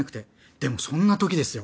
でもそんなときですよ。